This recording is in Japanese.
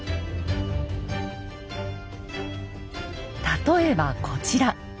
例えばこちら。